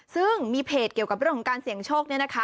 ซึ่งมีเพจเกี่ยวกับเรื่องของการเสี่ยงโชค